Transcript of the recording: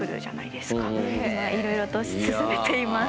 今いろいろと進めています。